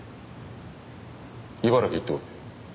茨城へ行ってこい。